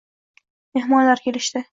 Mehmonlar kelishdi.